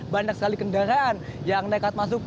banyak sekali kendaraan yang nekat masuk